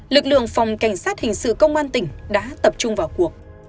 lực lượng phòng cảnh sát hình sự công an tỉnh đã tập trung vào cuộc